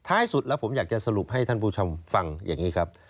สุดแล้วผมอยากจะสรุปให้ท่านผู้ชมฟังอย่างนี้ครับ